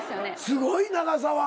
すごい長澤。